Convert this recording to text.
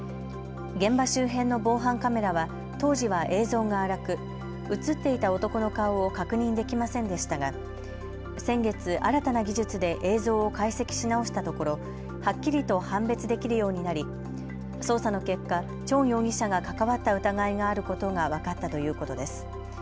現場周辺の防犯カメラは当時は映像が粗く、写っていた男の顔を確認できませんでしたが先月新たな技術で映像を解析し直したところ、はっきりと判別できるようになり捜査の結果、全容疑者が関わった疑いがあることが分かったということです。